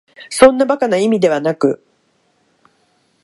そんな馬鹿な意味ではなく、